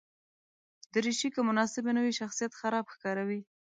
دریشي که مناسبه نه وي، شخصیت خراب ښکاروي.